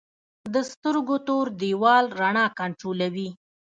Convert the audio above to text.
د سترګو تور دیوال رڼا کنټرولوي